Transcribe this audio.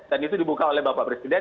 dan itu dibuka oleh bapak presiden